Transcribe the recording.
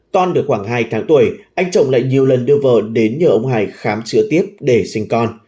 con được khoảng hai tháng tuổi anh trọng lại nhiều lần đưa vợ đến nhờ ông hải khám chữa tiếp để sinh con